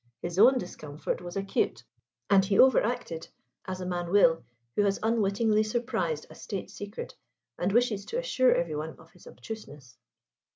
His own discomfort was acute, and he overacted, as a man will who has unwittingly surprised a State secret and wishes to assure everyone of his obtuseness.